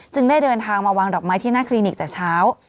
ได้เดินทางมาวางดอกไม้ที่หน้าคลินิกแต่เช้า